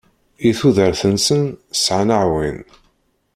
I tudert-nsen sɛan aɛwin.